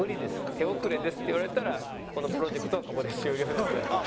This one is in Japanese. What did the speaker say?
手遅れです」って言われたらこのプロジェクトはここで終了ですから。